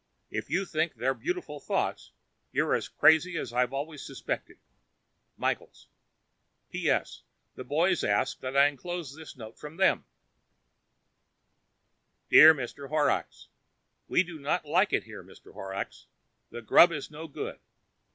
And if you think they're beautiful thoughts, you're as crazy as I've always suspected. Michaels P.S. The boys asked that I enclose this note from them: Dear Mr. Horox: We do not like it here Mr. Horox. The Grub is no good.